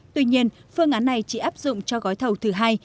tuy nhiên phương án này chỉ áp dụng cho gói thầu thứ hai